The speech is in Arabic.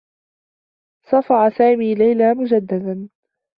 صفع سامي ليلى مجدّدا.